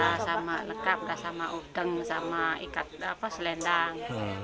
iya sama lekap sama udeng sama ikat selendang